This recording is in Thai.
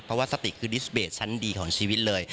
เพราะว่าสติคือดิสเบสชั้นดีของชีวิตเลย